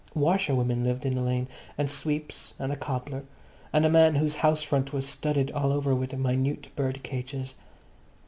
Washerwomen lived in the lane and sweeps and a cobbler, and a man whose house front was studded all over with minute bird cages.